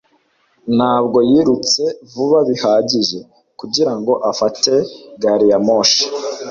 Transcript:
Ntabwo yirutse vuba bihagije kugirango afate gari ya moshi